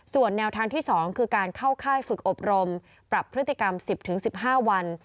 ส่วนแนวทางที่๒คือการเข้าค่ายฝึกอบรมปรับพฤติกรรม๑๐๑๕วัน